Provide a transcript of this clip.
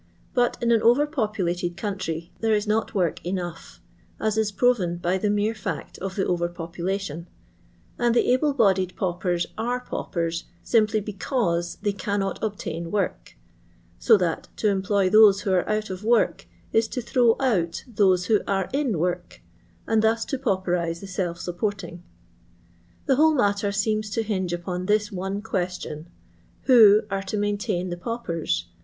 But in an over populated country there is not work enough, as is proven by the mere fact of the over population ; and the able bodied paupers are paupers simply because Uiey cannot obtain vorh, so that to employ those who are out of work is to throw out those who are in work, and thus to pauperise the self sup porting. The whole matter seems to hinge upon this one question — Who are to maintain the paupers